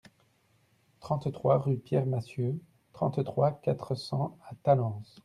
trente-trois rue Pierre Massieux, trente-trois, quatre cents à Talence